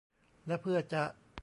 และเพื่อจะ